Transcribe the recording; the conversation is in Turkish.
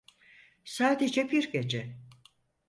Sadece bir gece.